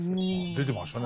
出てましたね。